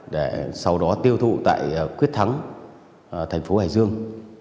để sau đó tiêu thụ tại quyết thắng thành phố hải dương